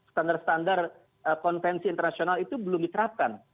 standar standar konvensi internasional itu belum diterapkan